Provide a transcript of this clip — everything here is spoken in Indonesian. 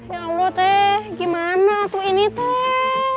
ya allah teh gimana tuh ini teh